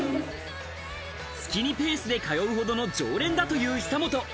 月２ペースで通うほど常連だという久本。